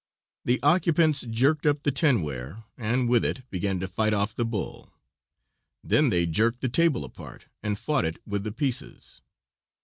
The occupants jerked up the tinware, and with it began to fight off the bull. Then they jerked the table apart, and fought it with the pieces.